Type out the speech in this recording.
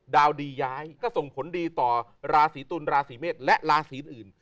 ดาวดีย้ายก็ส่งผลดีต่อราศีตุลราศีเมษและราศีอื่น